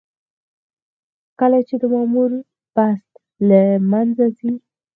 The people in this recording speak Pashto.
کله چې د مامور بست له منځه ځي.